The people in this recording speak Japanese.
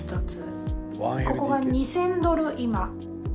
ここが２０００ドル今。